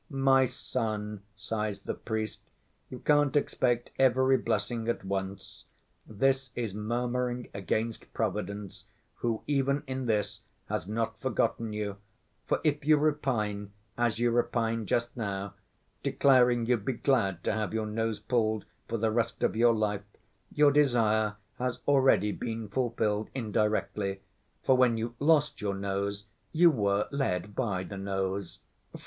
'My son,' sighs the priest, 'you can't expect every blessing at once. This is murmuring against Providence, who even in this has not forgotten you, for if you repine as you repined just now, declaring you'd be glad to have your nose pulled for the rest of your life, your desire has already been fulfilled indirectly, for when you lost your nose, you were led by the nose.